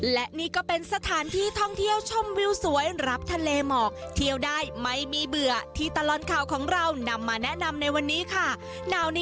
และนี่ก็เป็นสถานที่ท่องเที่ยวชมวิวสวยรับทะเลหมอกเที่ยวได้ไม่มีเบื่อที่ตลอดข่าวของเรานำมาแนะนำในวันนี้ค่ะ